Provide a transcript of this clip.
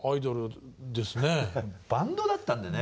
バンドだったんでね